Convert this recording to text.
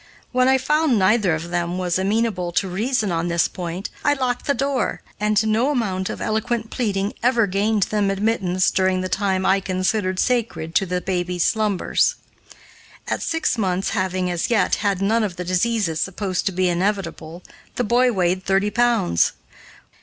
When I found neither of them was amenable to reason on this point, I locked the door, and no amount of eloquent pleading ever gained them admittance during the time I considered sacred to the baby's slumbers. At six months having, as yet, had none of the diseases supposed to be inevitable, the boy weighed thirty pounds.